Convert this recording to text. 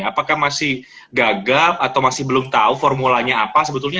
apakah masih gagal atau masih belum tahu formulanya apa sebetulnya